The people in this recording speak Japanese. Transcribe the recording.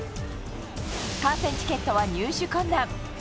観戦チケットは入手困難。